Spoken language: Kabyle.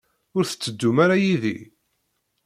Ur tetteddum ara yid-i?